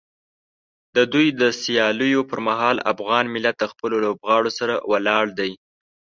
د دوی د سیالیو پر مهال افغان ملت د خپلو لوبغاړو سره ولاړ دی.